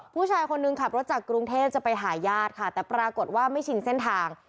ผู้ชายคนนึงขับรถจากกรุงเทพจะไปหาญาติค่ะแต่ปรากฏว่าไม่ชินเส้นทาง